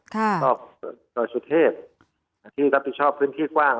ชอบดอยสุเทพที่รับผิดชอบพื้นที่กว้าง